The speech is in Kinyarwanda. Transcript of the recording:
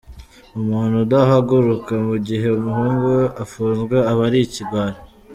Umuntu udahaguruka mu gihe umuhungu we afunzwe aba ari ikigwari.